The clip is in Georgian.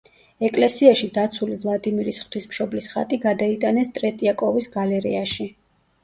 ეკლესიაში დაცული ვლადიმირის ღვთისმშობლის ხატი გადაიტანეს ტრეტიაკოვის გალერეაში.